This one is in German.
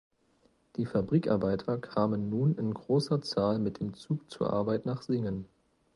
Die Fabrikarbeiter kamen nun in großer Zahl mit dem Zug zur Arbeit nach Singen.